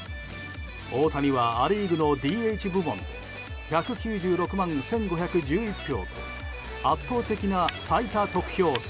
大谷はア・リーグのＤＨ部門で１９６万１５１１票と圧倒的な最多得票数。